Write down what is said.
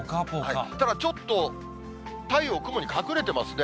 ただちょっと太陽、雲に隠れてますね。